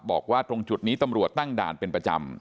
บอกว่าตรงจุดนี้ตำรวจตั้งด่านเป็นประจำ